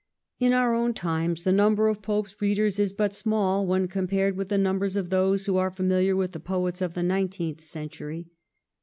In our own times the number of Pope's readers is but small when compared with the numbers of those who are famihar with the poets of the nineteenth century.